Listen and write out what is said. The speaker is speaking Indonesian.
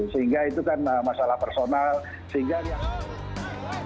sehingga itu kan masalah personal